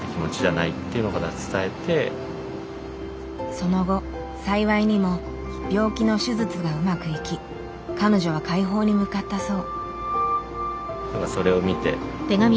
その後幸いにも病気の手術がうまくいき彼女は快方に向かったそう。